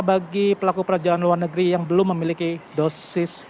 bagi pelaku perjalanan luar negeri yang belum memiliki dosis